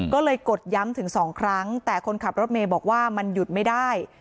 ก็เลยกดย้ำถึงสองครั้งแต่คนขับรถเมย์บอกว่ามันหยุดไม่ได้